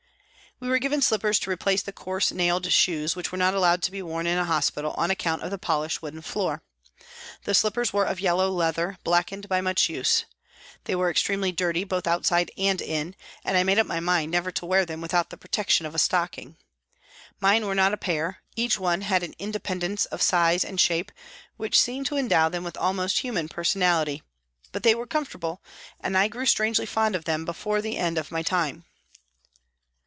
We were given slippers to replace the coarse nailed shoes which were not allowed to be worn in hospital on account of the polished wooden floor. The slippers were of yellow leather, blackened by much use. They were extremely dirty, both outside and in, and I made up my mind never to wear them without the protection of a stocking. Mine were not a pair, each one had an independence of size and shape which seemed to endow them with almost human personality; but they were comfortable, and I grew strangely fond of them before the end of my time.